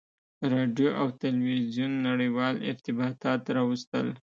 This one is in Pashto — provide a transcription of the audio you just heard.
• راډیو او تلویزیون نړیوال ارتباطات راوستل.